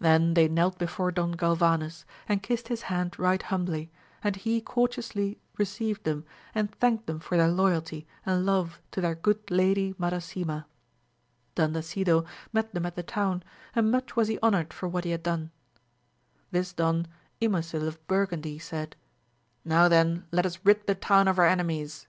Then they knelt before Don Galvanes, and kissed his hand right humbly, and he courteously received them and thanked them for their loyalty and love to their good lady Madasima. Dandasido met them at the town, and much was he honoured for AMADIS OF GAUL, 161 what he had done. This done Ymosil of Burgundy said, Now then let us rid the town of our ememies.